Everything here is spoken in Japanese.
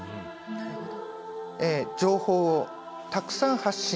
なるほど。